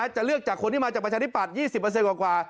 จะเลือกจากคนที่มาจากประชาธิปัตย์๒๐กว่า